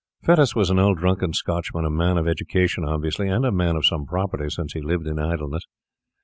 Fettes was an old drunken Scotchman, a man of education obviously, and a man of some property, since he lived in idleness.